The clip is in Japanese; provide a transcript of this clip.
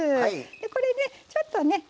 これでちょっとね